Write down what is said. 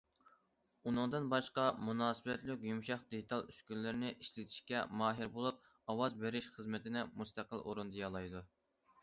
ئۇنىڭدىن باشقا، مۇناسىۋەتلىك يۇمشاق دېتال ئۈسكۈنىلىرىنى ئىشلىتىشكە ماھىر بولۇپ، ئاۋاز بېرىش خىزمىتىنى مۇستەقىل ئورۇندىيالايدۇ.